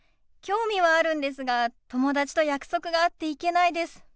興味はあるんですが友達と約束があって行けないです。